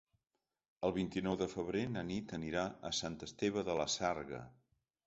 El vint-i-nou de febrer na Nit anirà a Sant Esteve de la Sarga.